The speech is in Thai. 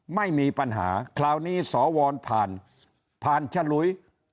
ไม่มีปัญหาคราวนี้สวผ่านผ่านฉลุย